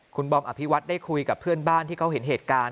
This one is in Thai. คุณบอมอภิวัตได้คุยกับเพื่อนบ้านที่เขาเห็นเหตุการณ์